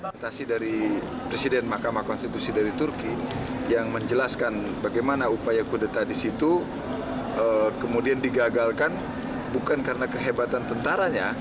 adatasi dari presiden makamah konstitusi dari turki yang menjelaskan bagaimana upaya kudeta di situ kemudian digagalkan bukan karena kehebatan tentaranya